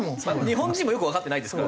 日本人もよくわかってないですからね。